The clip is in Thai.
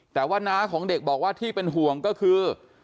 แต่ว่าน้าของเด็กบอกว่าที่เป็นห่วงก็คือ